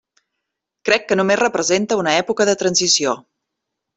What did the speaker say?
Crec que només representa una època de transició.